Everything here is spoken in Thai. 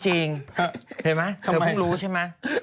เห็นมะเธอเพิ่งรู้ใช่มั้ย